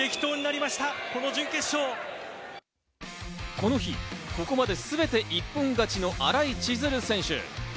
この日ここまで全て一本勝ちの新井千鶴選手。